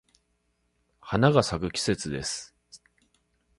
花が咲く季節です。